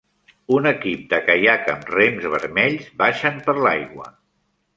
Un equip de caiac amb rems vermells baixen per l'aigua.